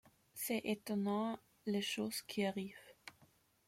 C’est étonnant les choses qui arrivent.